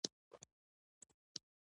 هغه د خپلو اخلاقو پر خلاف نن غلی ولاړ و.